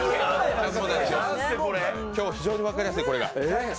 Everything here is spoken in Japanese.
今日、非常に分かりやすいこれが。